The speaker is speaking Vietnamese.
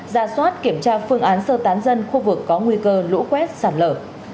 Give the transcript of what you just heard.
ra soát kiểm tra phương án sơ tán dân khu vực có nguy cơ lũ quét sạt lở